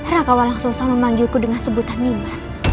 rakamu langsung selalu memanggilku dengan sebutan nimas